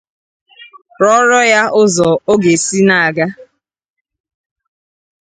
rụọrọ ya ụzọ ọ ga-esi na-aga